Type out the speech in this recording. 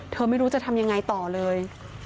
เธอไม่รู้จะทำอย่างไรต่อเลย